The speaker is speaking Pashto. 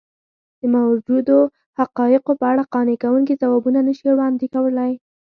د موجودو حقایقو په اړه قانع کوونکي ځوابونه نه شي وړاندې کولی.